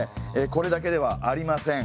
これだけではありません。